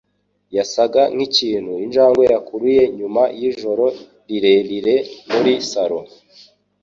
yasaga nkikintu injangwe yakuruye nyuma yijoro rirerire muri salo